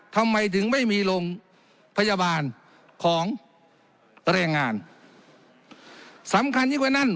ทำไมถึงไม่มีโรงพยาบาลของแรงงานสำคัญยิ่งกว่านั้น